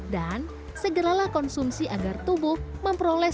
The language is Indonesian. dan segeralah konsumsi agar tubuh memperoleh